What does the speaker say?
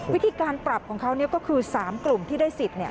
วิธีการปรับของเขาเนี่ยก็คือ๓กลุ่มที่ได้สิทธิ์